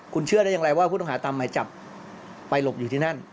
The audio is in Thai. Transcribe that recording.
คุณเชื่อได้อย่างไรว่าผู้ต้องหาตามหมายจับไปหลบอยู่ที่นั่น